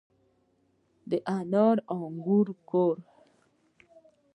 د انار او انګور کور.